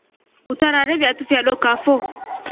Utarare fiatu fya dookafo.